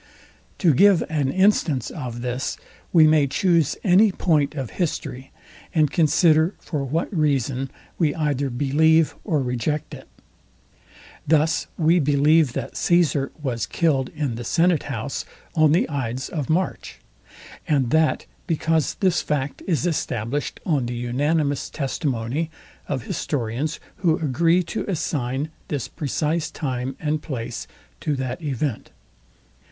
To give an instance of this, we may chuse any point of history, and consider for what reason we either believe or reject it. Thus we believe that Caesar was killed in the senate house on the ides of March; and that because this fact is established on the unanimous testimony of historians, who agree to assign this precise time and place to that event.